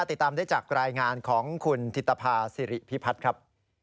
ติดตามได้จากรายงานของคุณธิตภาษิริพิพัฒน์ครับ